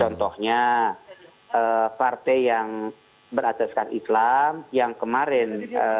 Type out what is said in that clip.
contohnya partai yang berataskan islam yang kemarin